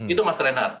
itu mas renhar